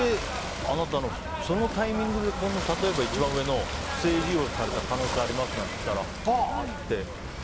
そのタイミングで例えば一番上の不正利用された可能性がありますなんて来たらあー！って。